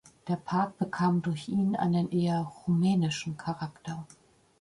Der Park bekam durch ihn einen eher „rumänischen“ Charakter.